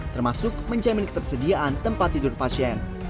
termasuk menjamin ketersediaan tempat tidur pasien